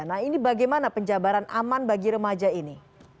nah ini bagaimana penjabaran aman bagi remaja ini